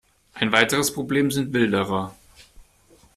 Ein weiteres Problem sind Wilderer.